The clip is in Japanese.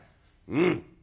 うん。